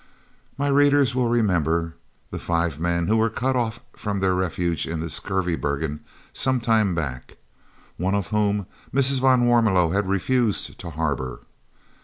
My readers will remember the five men who were cut off from their refuge in the Skurvebergen some time back, and one of whom Mrs. van Warmelo had refused to harbour.